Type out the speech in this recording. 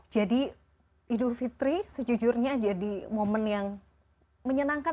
jadi idul fitri sejujurnya jadi momen yang menyenangkan